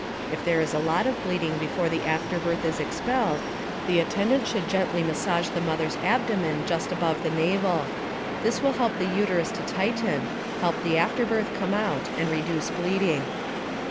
If there is a lot of bleeding before the afterbirth is expelled, the attendant should gently massage the mother's abdomen, just above the navel. This will help the uterus to tighten, help the afterbirth come out, and reduce bleeding.